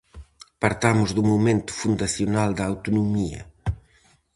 Partamos do momento fundacional da autonomía.